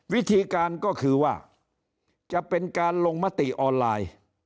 วิธีการก็คือว่าจะเป็นการลงมติออนไลน์